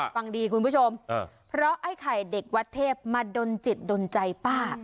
ฟังดีคุณผู้ชมเพราะไอ้ไข่เด็กวัดเทพมาดนจิตดนใจป้า